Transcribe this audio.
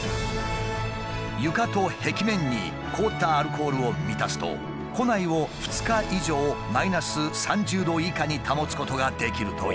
床と壁面に凍ったアルコールを満たすと庫内を２日以上マイナス３０℃以下に保つことができるという。